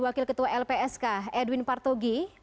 wakil ketua lpsk edwin partogi